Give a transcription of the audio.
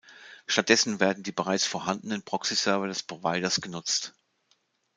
Stattdessen werden die bereits vorhandenen Proxyserver des Providers genutzt.